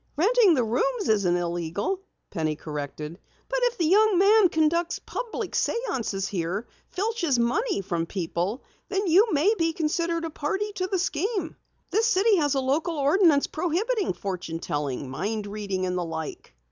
"Renting the rooms isn't illegal," Penny corrected. "But if the young man conducts public séances here filches money from people then you may be considered a party to the scheme. This city has a local ordinance prohibiting fortune telling, mind reading and the like."